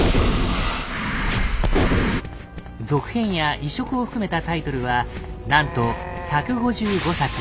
続編や移植を含めたタイトルはなんと１５５作。